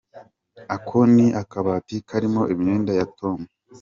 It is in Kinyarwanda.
Ako ni akabati karimo imyenda ya Tom.